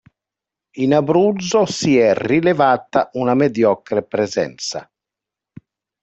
In Abruzzo si è rilevata una mediocre presenza.